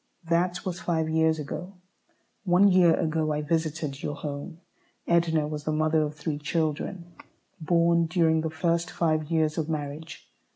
That was five years ago. One year ago I visited your home. Edna was the mother of three children, born during the first five years of marriage.